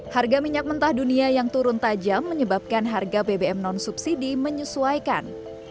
harga minyak mentah dunia yang turun tajam menyebabkan harga bbm non subsidi menyesuaikan